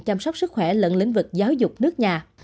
chăm sóc sức khỏe lẫn lĩnh vực giáo dục nước nhà